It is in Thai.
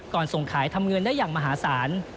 ส่งขายทำเงินได้อย่างมหาศาล